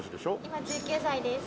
今１９歳です。